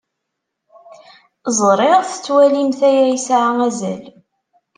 Ẓriɣ tettwalimt aya yesɛa azal.